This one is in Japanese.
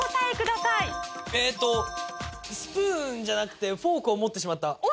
えーっとスプーンじゃなくてフォークを持ってしまった。